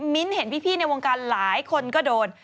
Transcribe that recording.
เห็นพี่ในวงการหลายคนก็โดน